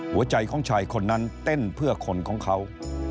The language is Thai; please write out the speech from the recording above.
หัวใจของชายคนนั้นเต้นเพื่อคนของเขา